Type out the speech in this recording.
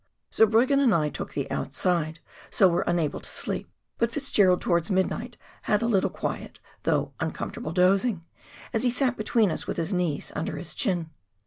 Zurbriggen and I took the outside, so were unable to sleep, but Fitzgerald towards midnight had a Kttle quiet, though uncom fortable dozing, as he sat between us with his knees under his chin.